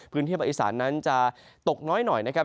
พื้นที่บริสารนั้นจะตกน้อยหน่อยนะครับ